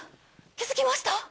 気付きました？